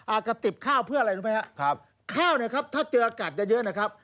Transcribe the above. กระติบข้าวเพื่ออะไรรู้ไหมครับข้าวเนี่ยครับถ้าเจออากาศจะเยอะเยอะนะครับ